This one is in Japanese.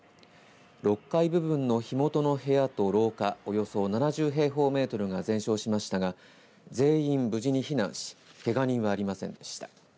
６階部分の火元の部屋と廊下、およそ７０平方メートルが全焼しましたが全員、無事に避難しけが人はありませんでした。